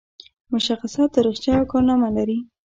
مشخصه تاریخچه او کارنامه لري.